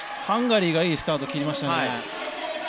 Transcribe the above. ハンガリーがいいスタート切りました。